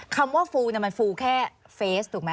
คำว่าฟูมันฟูแค่เฟสถูกไหม